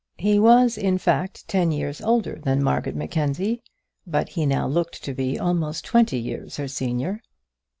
He was, in fact, ten years older than Margaret Mackenzie; but he now looked to be almost twenty years her senior.